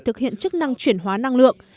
thực hiện chức năng chuyển hóa năng lượng